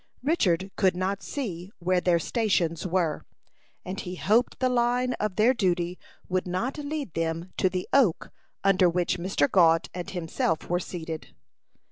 Richard could not see where their stations were; and he hoped the line of their duty would not lead them to the oak under which Mr. Gault and himself were seated.